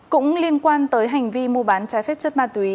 cũng liên quan tới hành vi mua bán trái phép chất ma túy